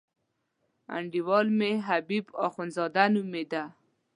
انډیوال مې حبیب اخندزاده نومېده.